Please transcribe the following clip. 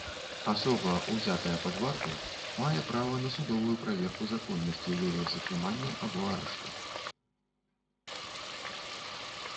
Асоба, узятая пад варту, мае права на судовую праверку законнасці яе затрымання або арышту.